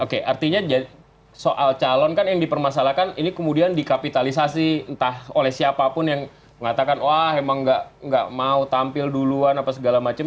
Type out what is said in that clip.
oke artinya soal calon kan yang dipermasalahkan ini kemudian dikapitalisasi entah oleh siapapun yang mengatakan wah emang nggak mau tampil duluan apa segala macam